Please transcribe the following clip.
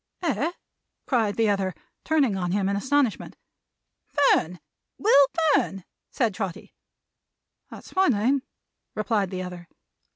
"Eh!" cried the other, turning on him in astonishment. "Fern! Will Fern!" said Trotty. "That's my name," replied the other.